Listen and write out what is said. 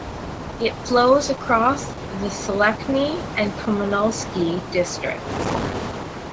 It flows across the Solnechny and Komsomolsky districts.